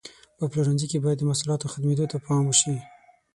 په پلورنځي کې باید د محصولاتو ختمېدو ته پام وشي.